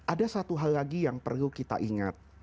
ada satu hal lagi yang perlu kita ingat